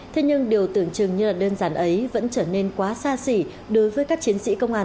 thế nhưng điều tưởng chừng như là đơn giản ấy vẫn trở nên quá xa xỉ đối với các chiến sĩ công an